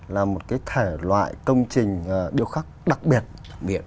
là một cái thể loại công trình điêu khắc đặc biệt